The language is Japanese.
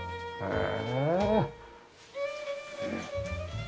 へえ。